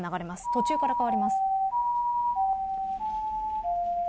途中から変わります。